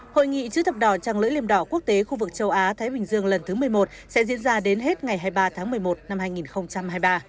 hội nghị chữ thập đỏ trăng lưỡi liềm đỏ quốc tế khu vực châu á thái bình dương lần thứ một mươi một sẽ diễn ra đến hết ngày hai mươi ba tháng một mươi một năm hai nghìn hai mươi ba